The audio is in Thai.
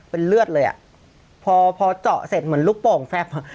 เป็นเลือดเลยอ่ะพอพอเจาะเสร็จเหมือนลูกโป่งแฟบอ่ะ